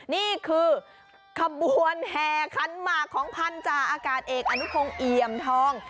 นี่คือขบวนแห่ขันหมากของพันธาอากาศเอกอนุพงศ์เอี่ยมทอง